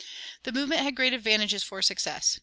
The movement had great advantages for success.